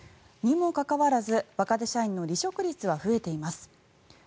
にもかかわらず若手社員の離職率は増えています。